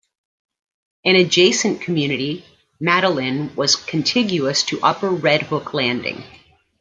An adjacent community, "Madalin", was contiguous to Upper Red Hook Landing.